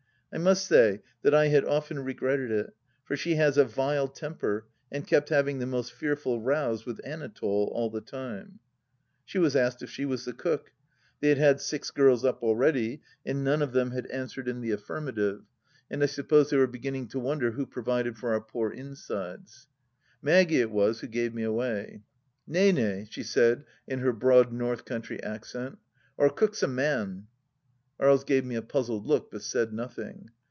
I must say that I had often regretted it, for she has a vUe temper, and kept havmg the most fearful rows with Anatole all the time. ,.,,. She was asked if she was the cook. They had had six girls up already, and none of them had answered m the atfarma THE LAST DITCH 109 tive, and I suppose they were beginaing to wonder who provided for our poor insides. Maggie it was who gave me away. " Nay, Nay !" she said in her broad North country accent. " Wor cook's a man !" Aries gave me a puzzled look, but said nothing.